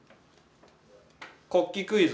国旗クイズ。